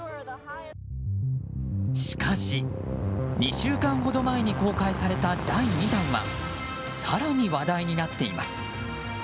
しかし、２週間ほど前に公開された第２弾は更に話題になっています。